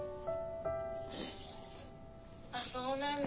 あっそうなんだ。